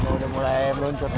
udah mulai meluncur naunya